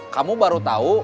kamu baru tahu